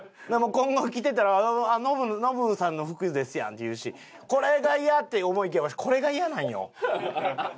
今後着てたら「あっノブさんの服ですやん」って言うしこれがイヤって思いきやわしこれがイヤなんよ実は。